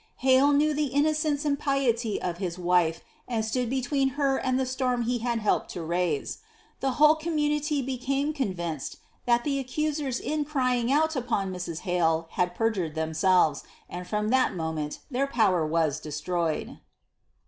Hale knew the "innocence and piety of his wife, and stood between her and the storm he had helped to raise. The whole community became convinced that the accusers in crying out upon Mrs. Hale had perjured themselves, and from that moment their power was destroyed."